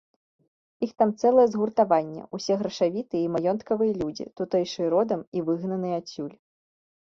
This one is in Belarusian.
Іх там цэлае згуртаванне, усе грашавітыя і маёнткавыя людзі, тутэйшыя родам і выгнаныя адсюль.